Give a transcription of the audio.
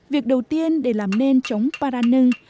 việc đầu tiên để làm nên trống paranưng